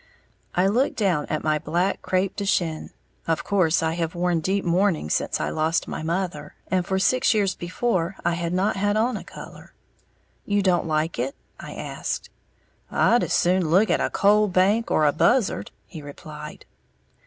I looked down at my black crêpe de chine, of course I have worn deep mourning since I lost Mother, and for six years before I had not had on a color. "You don't like it?" I asked. "I'd as soon look at a coal bank, or a buzzard," he replied.